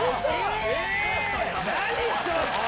何⁉ちょっと！